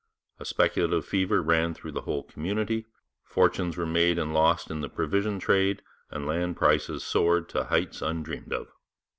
A speculative fever ran through the whole community; fortunes were made and lost in the provision trade, and land prices soared to heights undreamed of.